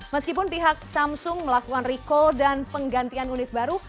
meskipun pihak samsung melakukan recall dan penggantian unit baru